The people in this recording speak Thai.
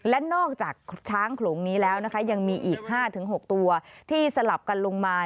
และนอกจากช้างโขลงนี้แล้วนะคะยังมีอีก๕๖ตัวที่สลับกันลงมา